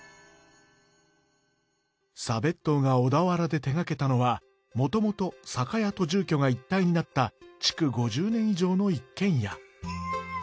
佐別当が小田原で手がけたのはもともと酒屋と住居がいったいになった築５０年以上の一軒家。